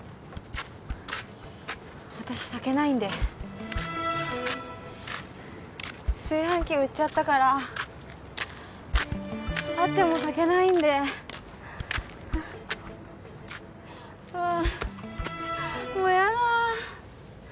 私炊けないんで炊飯器売っちゃったからあっても炊けないんでうわあ